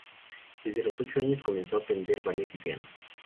Desde los ocho años comenzó a aprender ballet y piano.